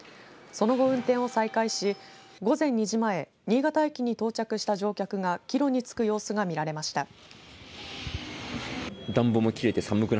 その後運転を再開し、午前２時前新潟駅に到着した乗客が帰路につく様子が見られました。